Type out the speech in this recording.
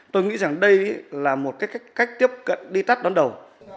tôi nghĩ rằng đây là một cái cách tiếp cận đi tắt đón đầu